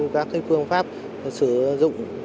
các phương pháp sử dụng